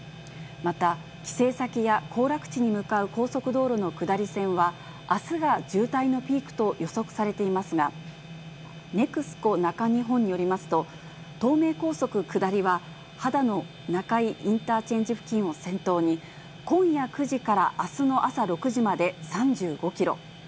また、帰省先や行楽地に向かう高速道路の下り線は、あすが渋滞のピークと予測されていますが、ネクスコ中日本によりますと、東名高速下りは、秦野中井インターチェンジ付近を先頭に、今夜９時からあすの朝６時まで３５キロ。